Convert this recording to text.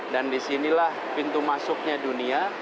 dan disinilah pintu masuknya dunia